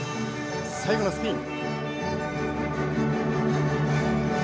最後のスピン。